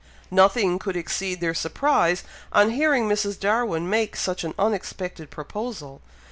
Nothing could exceed their surprise on hearing Mrs. Darwin make such an unexpected proposal.